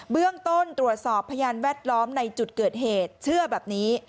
เบื้องต้นตรวจสอบพยานแวดล้อมในจุดเกิดเหตุเชื่อแบบนี้